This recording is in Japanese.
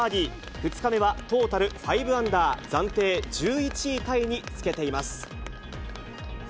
２日目は、トータルファイブアンダー、暫定１１位タイにつけています。